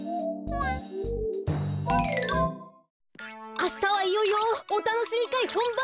あしたはいよいよおたのしみかいほんばんです。